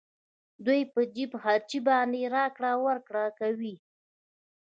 دوی په جېب خرچې باندې راکړه ورکړه کوي